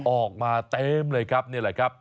ออกมาเต็มเลยครับนี่แหละครับ